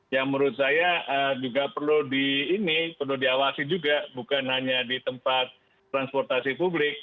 yang menurut saya juga perlu di ini perlu diawasi juga bukan hanya di tempat transportasi publik